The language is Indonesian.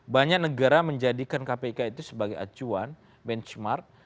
banyak negara menjadikan kpk itu sebagai acuan benchmark